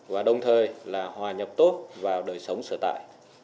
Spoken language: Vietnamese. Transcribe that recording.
và đồng thời là hòa nhập tốt vào đời sống sở tại